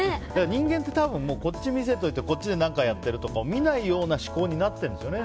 人間ってこっち見せといてこっちで何かやっているとか見ないような思考になってるんですよね。